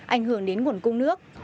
ảnh hưởng đến nguồn cung nước